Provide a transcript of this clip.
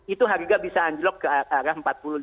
itu harga bisa anjlok ke arah rp empat puluh lima